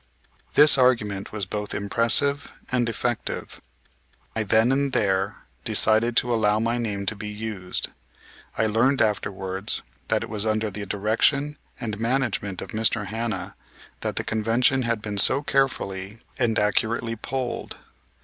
This argument was both impressive and effective. I then and there decided to allow my name to be used. I learned afterwards that it was under the direction and management of Mr. Hanna that the Convention had been so carefully and accurately polled.